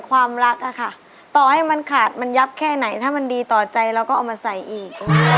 ความรักอะค่ะต่อให้มันขาดมันยับแค่ไหนถ้ามันดีต่อใจเราก็เอามาใส่อีก